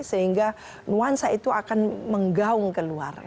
sehingga nuansa itu akan menggaung keluar